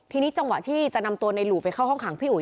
ทีนี้จังหวะที่จะนำตัวในหลู่ไปเข้าห้องขังพี่อุ๋